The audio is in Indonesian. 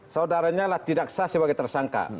saudaranya lah tidak sah sebagai tersangka